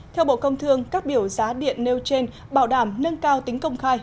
theo bộ công thương các biểu giá điện nêu trên bảo đảm nâng cao tính công khai